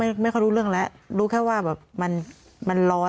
ใครพูดอะไรก็ไม่ค่อยรู้เรื่องแล้วรู้แค่ว่ามันร้อน